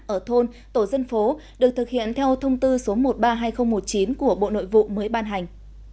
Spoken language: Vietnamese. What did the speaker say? ở thôn tổ dân phố được thực hiện theo thông tư số một trăm ba mươi hai nghìn một mươi chín của bộ nội vụ mới ban hành